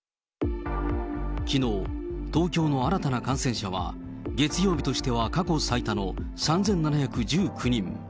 きのう、東京の新たな感染者は月曜日としては過去最多の３７１９人。